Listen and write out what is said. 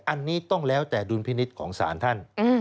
อันนี้ต้องแล้วแต่ดุลพินิษฐ์ของศาลท่าน